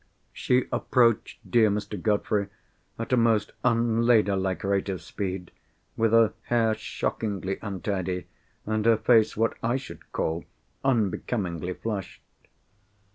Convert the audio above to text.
She approached dear Mr. Godfrey at a most unladylike rate of speed, with her hair shockingly untidy, and her face, what I should call, unbecomingly flushed.